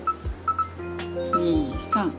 ２３。